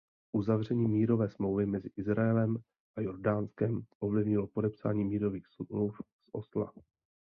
Uzavření mírové smlouvy mezi Izraelem a Jordánskem ovlivnilo podepsání mírových smluv z Osla.